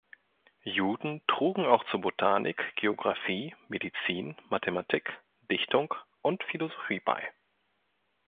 Juden trugen auch zur Botanik, Geographie, Medizin, Mathematik, Dichtung und Philosophie bei.